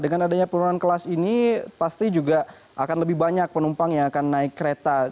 dengan adanya penurunan kelas ini pasti juga akan lebih banyak penumpang yang akan naik kereta